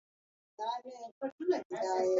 بیا به زور نه وهم.